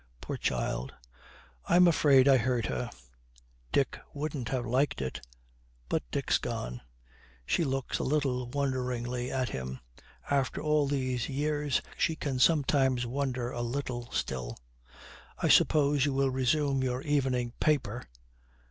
'Poor child!' 'I'm afraid I hurt her.' 'Dick wouldn't have liked it but Dick's gone.' She looks a little wonderingly at him. After all these years, she can sometimes wonder a little still. 'I suppose you will resume your evening paper!'